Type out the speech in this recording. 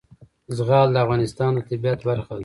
زغال د افغانستان د طبیعت برخه ده.